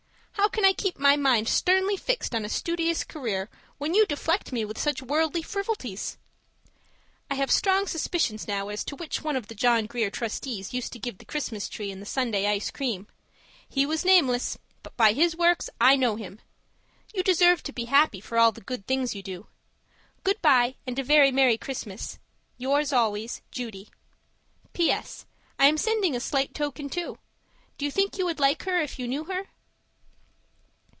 How can I keep my mind sternly fixed on a studious career, when you deflect me with such worldly frivolities? I have strong suspicions now as to which one of the John Grier Trustees used to give the Christmas tree and the Sunday ice cream. He was nameless, but by his works I know him! You deserve to be happy for all the good things you do. Goodbye, and a very merry Christmas. Yours always, Judy PS. I am sending a slight token, too. Do you think you would like her if you knew her?